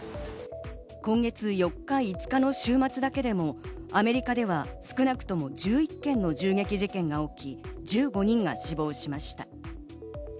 今月４日、５日の週末だけでも、アメリカでは少なくとも１１件の銃撃事件が起き、１５人が死亡しました。